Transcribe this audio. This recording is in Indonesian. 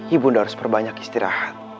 ibu nda harus perbanyak istirahat